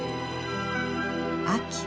秋。